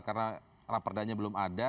karena lapardanya belum ada